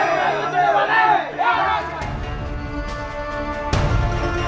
masukkan budi padanya kita kundanya